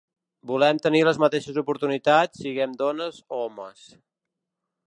Volem tenir les mateixes oportunitats siguem dones o homes.